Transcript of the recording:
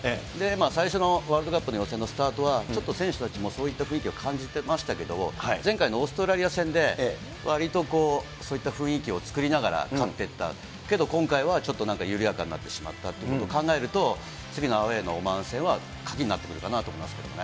最初のワールドカップの予選のスタートは、ちょっと選手たちもそういった雰囲気を感じてましたけども、前回のオーストラリア戦でわりとそういった雰囲気を作りながら勝ってった、けど、今回はちょっとなんか緩やかになってしまったということを考えると、次のアウエーのオマーン戦は鍵になってくるかなと思いますけどね。